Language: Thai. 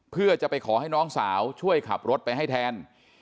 เพื่อจะไปขอให้น้องสาวช่วยขับรถไปให้แทน